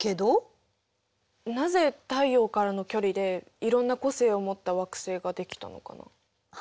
なぜ太陽からの距離でいろんな個性を持った惑星ができたのかな？